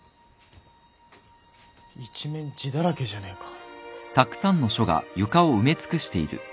一面字だらけじゃねえか。